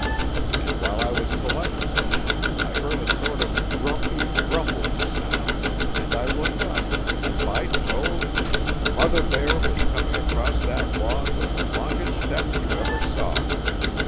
And while I was collecting them, I heard a sort of grumpy, grumbling sound, and I looked up and, by Jove, Mother Bear was coming across that log with the longest steps you ever saw.